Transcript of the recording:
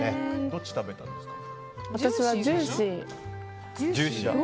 どっち食べたんですか？